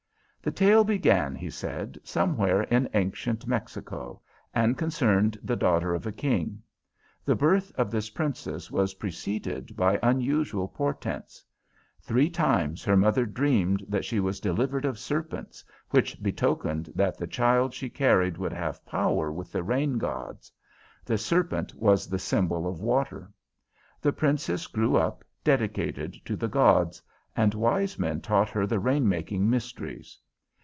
The tale began, he said, somewhere in Ancient Mexico, and concerned the daughter of a king. The birth of this Princess was preceded by unusual portents. Three times her mother dreamed that she was delivered of serpents, which betokened that the child she carried would have power with the rain gods. The serpent was the symbol of water. The Princess grew up dedicated to the gods, and wise men taught her the rain making mysteries.